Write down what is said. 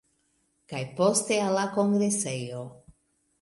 Kaj poste al la kongresejo.